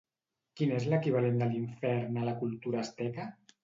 Quin és l'equivalent de l'infern a la cultura asteca?